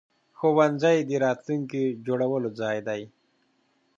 ښوونځی د راتلونکي جوړولو ځای دی.